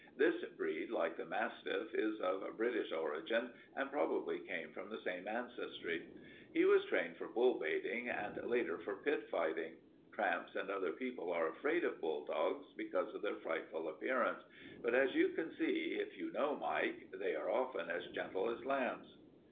This breed, like the mastiff, is of British origin, and probably came from the same ancestry. He was trained for bull baiting and later for pit fighting. Tramps and other people are afraid of bulldogs because of their frightful appearance, but as you can see, if you know Mike, they are often as gentle as lambs.